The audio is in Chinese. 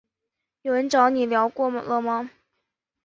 有人找你聊过了吗？